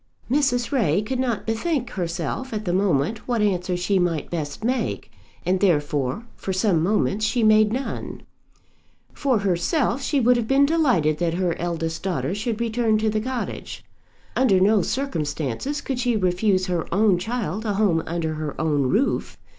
Mrs. Ray could not bethink herself at the moment what answer she might best make, and therefore for some moments she made none. For herself she would have been delighted that her eldest daughter should return to the cottage. Under no circumstances could she refuse her own child a home under her own roof.